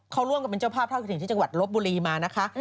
เขาร่วมกันเป็นเจ้าภาพเท่ากระถิ่นที่จังหวัดลบบุรีมานะคะ